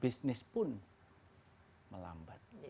bisnis pun melambat